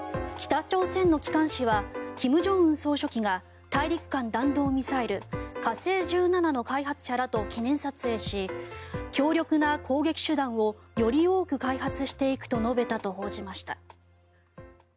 北朝鮮の機関紙は金正恩総書記が大陸間弾道ミサイル、火星１７の開発者らと記念撮影し強力な攻撃手段をより多く開発していくと述べたと報じました。